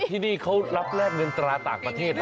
ที่นี่เขารับแลกเงินตราต่างประเทศนะ